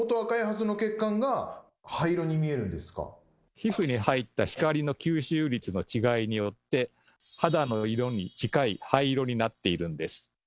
皮膚に入った光の吸収率の違いによって肌の色に近い灰色になっているんです。